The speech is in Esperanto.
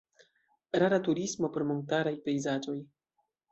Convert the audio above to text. Rura turismo pro montaraj pejzaĝoj.